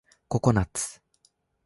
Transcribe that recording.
ココナッツ